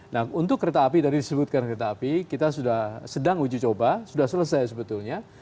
nah untuk kereta api tadi disebutkan kereta api kita sudah sedang uji coba sudah selesai sebetulnya